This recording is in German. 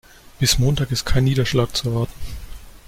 Bis Montag ist kein Niederschlag zu erwarten.